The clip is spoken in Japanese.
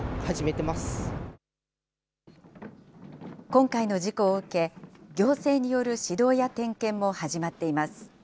今回の事故を受け、行政による指導や点検も始まっています。